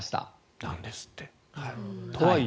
なんですって。